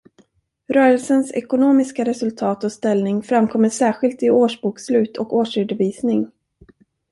Rörelsens ekonomiska resultat och ställning framkommer särskilt i årsbokslut och årsredovisning.